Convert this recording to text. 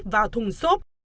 vào thùng xốp